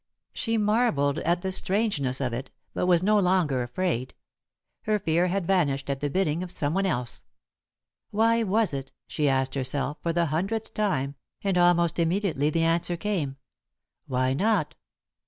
She marvelled at the strangeness of it, but was no longer afraid. Her fear had vanished at the bidding of someone else. Why was it? she asked herself, for the hundredth time, and almost immediately the answer came: "Why not?"